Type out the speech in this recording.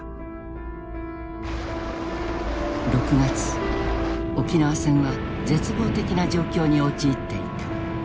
６月沖縄戦は絶望的な状況に陥っていた。